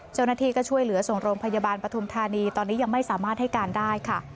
เจ้าหน้าที่ก็ช่วยเหลือส่งโรงพยาบาลปฐุมธานีตอนนี้ยังไม่สามารถให้การได้ค่ะ